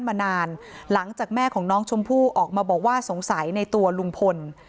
มานานหลังจากแม่ของน้องชมพู่ออกมาบอกว่าสงสัยในตัวลุงพล